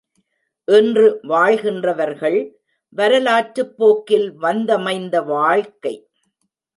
இன்று வாழ்கின்றவர்கள், வரலாற்றுப் போக்கில் வந்தமைந்த வாழ்க்கை.